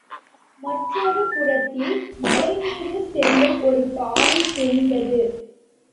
மற்றொரு புறத்தில் மலைமீது செல்லும் ஒரு பாதை தெரிந்தது.